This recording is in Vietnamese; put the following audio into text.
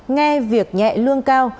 nghe việc nhẹ lương cao